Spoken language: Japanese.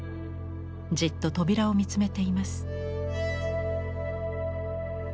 じっと扉を見つめています。